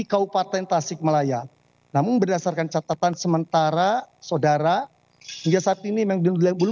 kabupaten tasik malaya namun berdasarkan catatan sementara saudara hingga saat ini memang dulu